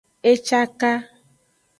E caka.